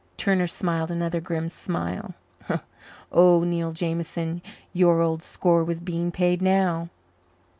Turner smiled another grim smile. Oh, Neil Jameson, your old score was being paid now!